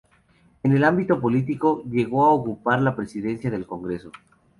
En el ámbito político, llegó a ocupar la presidencia del Congreso.